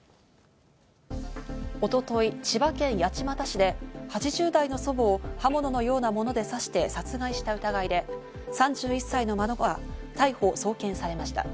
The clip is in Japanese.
一昨日、千葉県八街市で８０代の祖母を刃物のようなもので刺して殺害した疑いで３１歳の孫が逮捕・送検されました。